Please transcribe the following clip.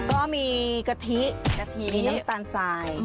ก็มีกะทิมีน้ำตาลทราย